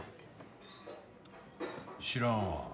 知らんわ。